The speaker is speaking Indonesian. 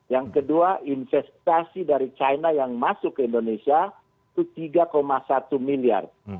yang kedua investasi dari china yang masuk ke indonesia itu tiga satu miliar